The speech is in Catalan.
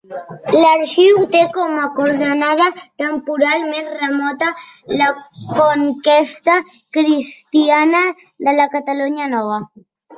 L'arxiu té com a coordenada temporal més remota la conquesta cristiana de la Catalunya Nova.